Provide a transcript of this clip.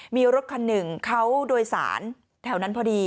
มีรถคันหนึ่งเขาโดยสารแถวนั้นพอดี